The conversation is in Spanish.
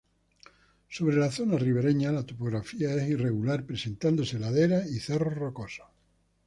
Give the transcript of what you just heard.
Sobre la zona ribereña la topografía es irregular, presentándose laderas y cerros rocosos.